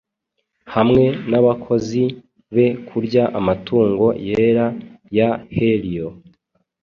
hamwe n’abakozi be kurya amatungo yera ya Helio